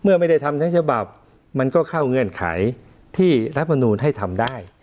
ไม่ได้ทำทั้งฉบับมันก็เข้าเงื่อนไขที่รัฐมนูลให้ทำได้